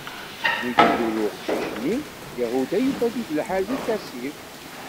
Mi d-ilul uqcic-nni, Yahuda yufa-t-id lḥal di Kazib.